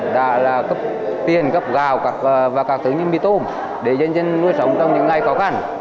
đã cấp tiền cấp gạo và các thứ như mì tôm để dân dân nuôi sống trong những ngày khó khăn